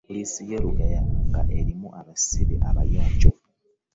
Polisi yelugala nga erimu absibe abayonjo.